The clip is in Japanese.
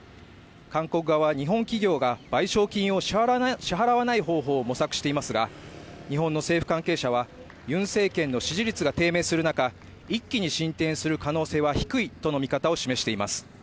韓国側は日本企業が賠償金を支払わない方法を模索していますが日本の政府関係者は、ユン政権の支持率が低迷するなか一気に進展する可能性は低いとの見方を示しています。